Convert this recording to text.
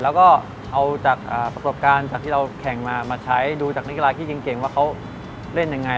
แล้วก็เอาจากประสบการณ์จากที่เราแข่งมามาใช้ดูจากนักกีฬาที่เก่งว่าเขาเล่นยังไง